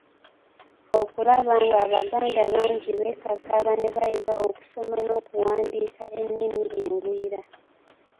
Okulaba ng'Abaganda bangi beekakaba ne bayiga okusoma n’okuwandiika ennimi engwira.